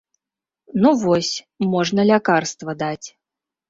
Ну, вось, можна лякарства даць.